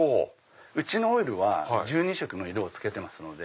うちのオイルは１２色の色を付けてますので。